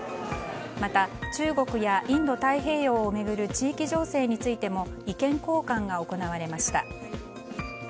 また、中国やインド太平洋を巡る地域情勢についても意見交換が行われました。